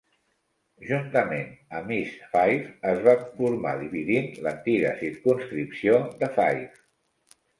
Juntament amb East Fife, es va formar dividint l'antiga circumscripció de Fife.